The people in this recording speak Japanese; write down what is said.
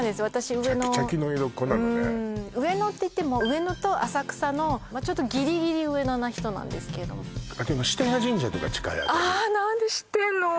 上野チャキチャキの江戸っ子なのね上野っていっても上野と浅草のまあちょっとギリギリ上野な人なんですけどもあーっ何で知ってんの？